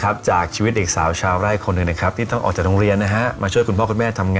ฝันให้ไกลไปให้ถึง